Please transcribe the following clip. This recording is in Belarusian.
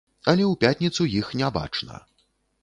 Але ў пятніцу іх не бачна.